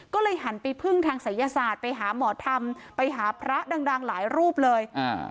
ก็เลยหันไปพึ่งทางศัยศาสตร์ไปหาหมอธรรมไปหาพระดังดังหลายรูปเลยอ่า